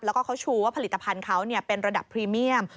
แล้วก็เขาชูว่าผลิตภัณฑ์เขาเป็นระดับพรีเมียม